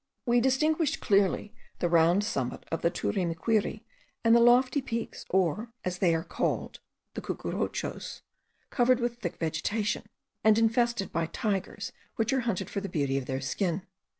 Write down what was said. We distinguished clearly the round summit of the Turimiquiri and the lofty peaks or, as they are called, the Cucuruchos, covered with thick vegetation, and infested by tigers which are hunted for the beauty of their skin.